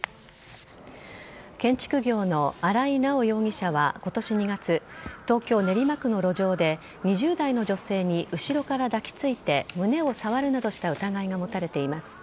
建築業の荒井直容疑者は今年２月東京・練馬区の路上で２０代の女性に後ろから抱きついて胸を触るなどした疑いが持たれています。